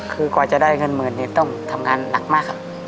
คือกว่าจะได้เงินหมื่นเนี่ยต้องทำงานหนักมากครับ